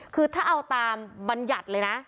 คือถ้าเอาตามบรรยัติเลยนะ